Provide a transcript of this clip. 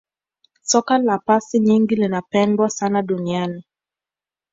soka la pasi nyingi linapendwa sana duniani